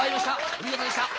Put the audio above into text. お見事でした！